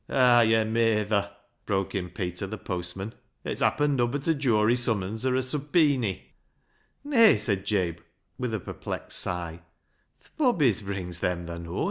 Haa yo' meyther," broke in Peter the post man ;" it's happen nubbut a jury summons or a subpeeny." " Nay," said Jabe, with a perplexed sigh, " th' bobbies brings them, thaa knows."